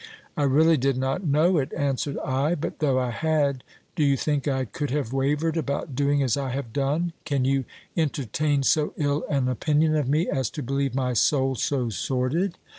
I really did not know it, answered I ; but though I had, do you think I could have wavered about doing as I have done? Can you entertain so ill an opinion of me, as to believe my soul so sordid?